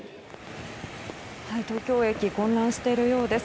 東京駅混乱しているようです。